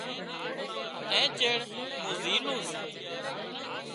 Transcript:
اين چيڙ مُون زِيلُون سُون۔